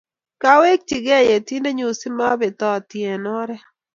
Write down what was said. Kawekchinke yetindennyu si mabetoti eng' oret.